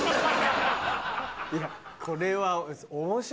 いやこれは。